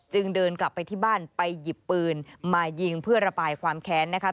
เดินกลับไปที่บ้านไปหยิบปืนมายิงเพื่อระบายความแค้นนะคะ